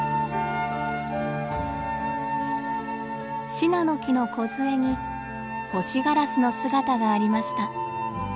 シナノキのこずえにホシガラスの姿がありました。